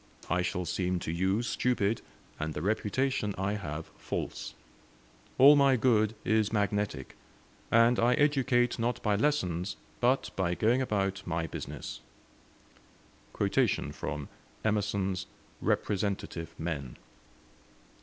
I shall seem to you stupid, and the reputation I have false. All my good is magnetic, and I educate not by lessons, but by going about my business." Emerson's 'Representative Men'.